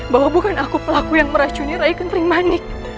bahwa bukan aku pelaku yang meracuni rai kenterimanik